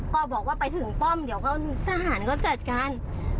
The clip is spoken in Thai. ก็บอกว่าไปถึงป้อมเดี๋ยวก็ทหารเขาจัดการ